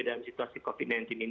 dalam situasi covid sembilan belas ini